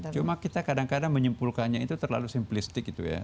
cuma kita kadang kadang menyimpulkannya itu terlalu simplistik gitu ya